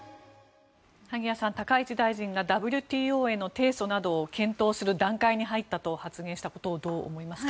萩谷さん、高市大臣がＷＴＯなどへの提訴を検討する段階に入ったと発言したことをどう思いますか？